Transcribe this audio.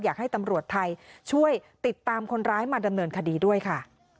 อยากให้ตำรวจไทยช่วยติดตามคนร้ายมาดำเนินคดีด้วยค่ะ